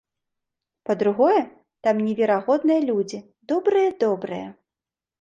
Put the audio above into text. Па-другое, там неверагодныя людзі, добрыя-добрыя.